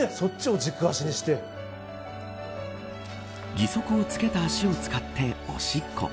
義足を着けた足を使っておしっこ。